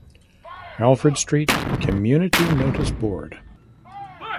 Alfred Street community notice board.